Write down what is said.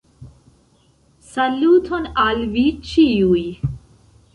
Saluton al vi ĉiuj!